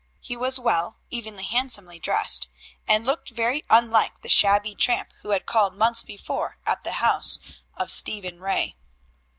He was well, even handsomely dressed, and looked very unlike the shabby tramp who had called months before at the house of Stephen Ray.